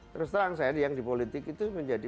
terus terang saya yang di politik itu menjadi